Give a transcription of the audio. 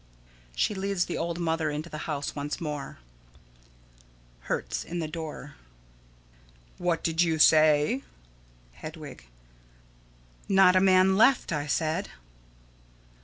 [She leads the old mother into the house once more.] Hertz: [In the door.] What did you say? Hedwig: Not a man left, I said.